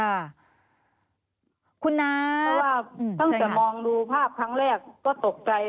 คุณน้าเพราะว่าตั้งแต่มองดูภาพครั้งแรกก็ตกใจ